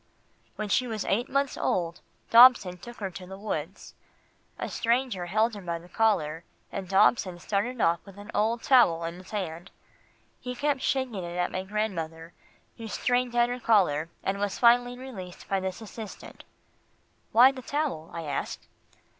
"When she was eight months old, Dobson took her to the woods. A stranger held her by the collar, and Dobson started off with an old towel in his hand. He kept shaking it at my grandmother, who strained at her collar, and was finally released by this assistant." "Why the towel?" I asked.